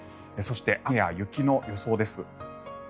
そして、雨や雪の予想です。